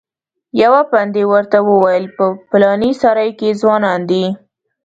یوه پندي ورته وویل په پلانې سرای کې ځوانان دي.